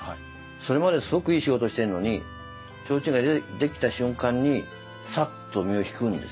それまですごくいい仕事してるのに提灯が出来た瞬間にさっと身を引くんですよ。